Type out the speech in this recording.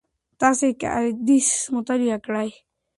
تاسي که احاديث مطالعه کړئ